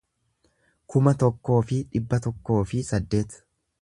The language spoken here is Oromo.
kuma tokkoo fi dhibba tokkoo fi saddeet